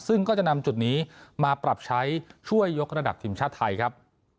ซึ่งก็จะนำจุดนี้มาปรับใช้ช่วยยกระดับทีมชาติไทยครับ